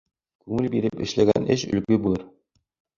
Күңел биреп эшләгән эш өлгө булыр